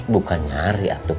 bukan nyari atuk